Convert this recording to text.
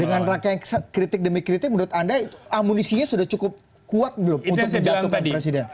dengan rangka yang kritik demi kritik menurut anda itu amunisinya sudah cukup kuat belum untuk menjatuhkan presiden